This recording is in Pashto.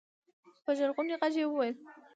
په ژړغوني غږ يې وويل.